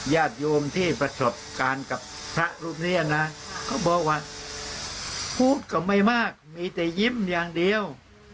ญาติโยมที่ประสบการณ์กับพระรูปนี้นะเขาบอกว่าพูดก็ไม่มากมีแต่ยิ้มอย่างเดียว